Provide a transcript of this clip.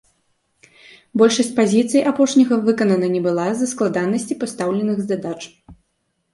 Большасць пазіцый апошняга выканана не была з-за складанасцей пастаўленых задач.